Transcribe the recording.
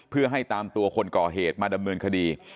เพื่อให้ตามตัวคนก่อเหตุมาดำเนินคดี